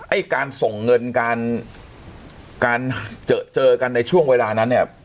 ไอ้การส่งเงินการเจอเจอกันในช่วงเวลานั้นเนี่ย